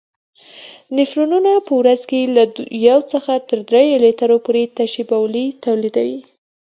نفرونونه په ورځ کې له یو څخه تر دریو لیترو پورې تشې بولې تولیدوي.